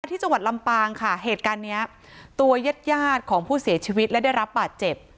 ที่จังหวัดลำปางตัวเย็ดยาดของผู้เสียชีวิตและได้รับบาดเจ็บ